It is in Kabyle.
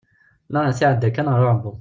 Neɣ ahat iɛedda kan ɣer uɛebbuḍ.